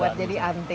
buat jadi ante